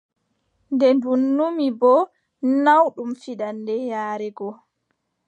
Nden ndu numi boo naawɗum fiɗaande yaare go.